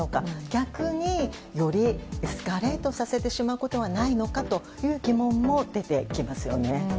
逆によりエスカレートしてしまうことはないのかとそういう疑問も出てきますよね。